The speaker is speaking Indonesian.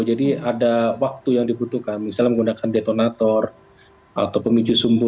jadi ada waktu yang dibutuhkan misalnya menggunakan detonator atau pemicu sumbu